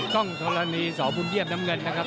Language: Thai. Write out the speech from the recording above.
กล้องธรณีสบุญเยี่ยมน้ำเงินนะครับ